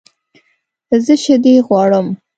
زه شیدې غواړم